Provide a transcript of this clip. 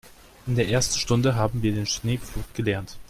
In der ersten Stunde haben wir den Schneepflug gelernt.